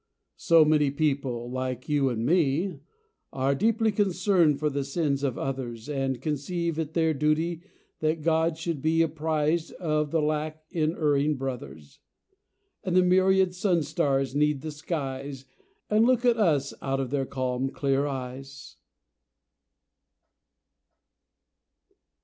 So many good people, like you and me, Are deeply concerned for the sins of others And conceive it their duty that God should be Apprised of the lack in erring brothers. And the myriad sun stars seed the skies And look at us out of their calm, clear eyes.